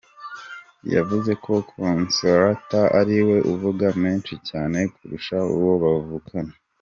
Yavuze ko Consolata ari we uvuga menshi cyane kurusha uwo bavukana.